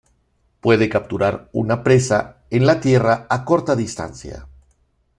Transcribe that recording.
Puede capturar una presa en la tierra a corta distancia.